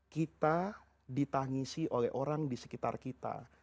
kita ditangisi oleh orang di sekitar kita